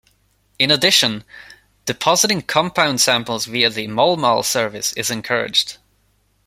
In addition, depositing compound samples via the MolMall service is encouraged.